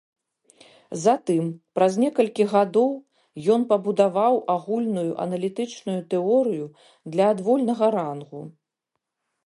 Затым, праз некалькі гадоў, ён пабудаваў агульную аналітычную тэорыю для адвольнага рангу.